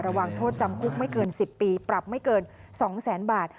ระวังโทษจำคุกไม่เกิน๑๐ปีปรับไม่เกิน๒แสนบาท